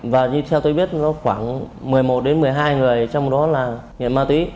và như theo tôi biết khoảng một mươi một đến một mươi hai người trong đó là nghiện ma túy